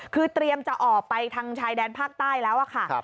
คือเตรียมจะออกไปทางชายแดนภาคใต้แล้วค่ะ